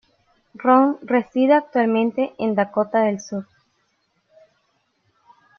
Ron reside actualmente en Dakota del Sur.